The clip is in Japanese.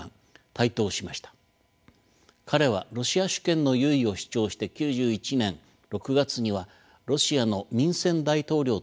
彼はロシア主権の優位を主張して９１年６月にはロシアの民選大統領となりました。